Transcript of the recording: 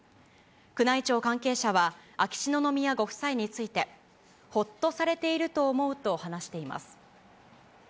宮内庁関係者は、秋篠宮ご夫妻について、ほっとされていると思うと話しています。